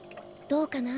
どうかな。